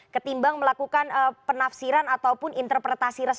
ketimbang melakukan penafsiran ataupun interpretasi